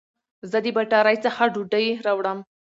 زه د بټاری څخه ډوډي راوړم